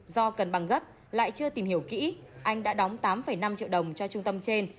do cần bằng gấp lại chưa tìm hiểu kỹ anh đã đóng tám năm triệu đồng cho trung tâm trên